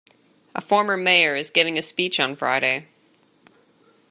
A former mayor is giving a speech on Friday.